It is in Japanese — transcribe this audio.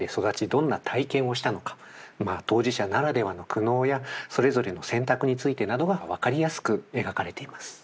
どんな体験をしたのか当事者ならではの苦悩やそれぞれの選択についてなどが分かりやすく描かれています。